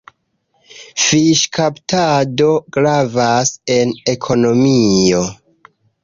Fiŝkaptado gravas en ekonomio.